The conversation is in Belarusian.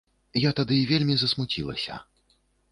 Я тады вельмі засмуцілася.